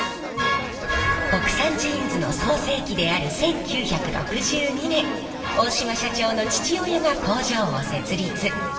国産ジーンズの創成期である１９６２年大島社長の父親が工場を設立。